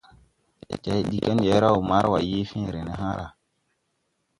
Ndi hãy diggi ga ndi hay raw Marua yee fẽẽre ne hããra.